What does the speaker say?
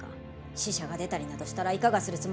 死者が出たりなどしたらいかがするつもりじゃ！